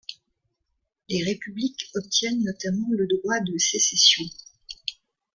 Les républiques obtiennent notamment le droit de sécession.